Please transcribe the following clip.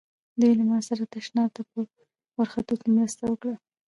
دوی له ما سره تشناب ته په ورختو کې مرسته وکړه.